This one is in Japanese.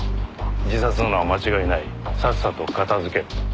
自殺なのは間違いないさっさと片づけろと。